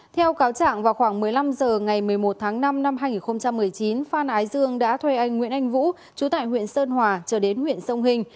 theo cáo trạng vào khoảng một mươi năm h ngày một mươi một tháng năm năm hai nghìn một mươi chín phan ái dương đã thuê anh nguyễn anh vũ chú tại huyện sơn hòa trở đến huyện sông hình